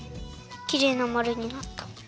きれいなまるになった。